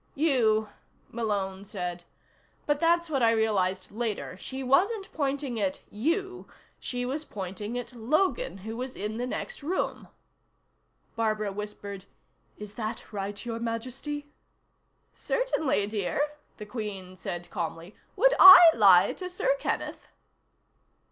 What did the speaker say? "You," Malone said. "But that's what I realized later. She wasn't pointing at you. She was pointing at Logan, who was in the next room." Barbara whispered: "Is that right, Your Majesty?" "Certainly, dear," the Queen said calmly. "Would I lie to Sir Kenneth?"